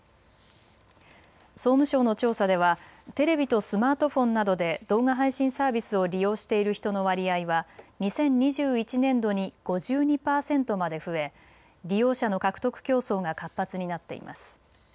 総務省の調査ではテレビとスマートフォンなどで動画配信サービスを利用している人の割合は２０２１年度に５２％まで増え利用者の獲得競争が活発になっています。